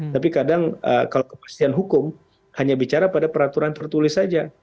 tapi kadang kalau kepastian hukum hanya bicara pada peraturan tertulis saja